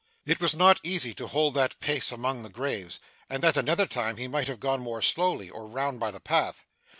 It was not easy to hold that pace among the graves, and at another time he might have gone more slowly, or round by the path.